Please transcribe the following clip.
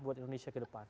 buat indonesia ke depan